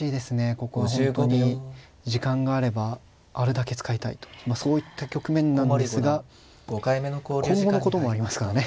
ここは本当に時間があればあるだけ使いたいとそういった局面なんですが今後のこともありますからね。